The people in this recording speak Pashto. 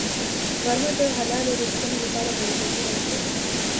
غرمه د حلالو رزقونو لپاره برکتي وخت دی